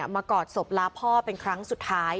กอดศพลาพ่อเป็นครั้งสุดท้าย